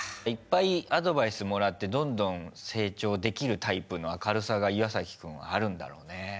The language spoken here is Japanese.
いっぱいアドバイスもらってどんどん成長できるタイプの明るさが岩くんはあるんだろうね。